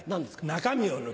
中身を抜く。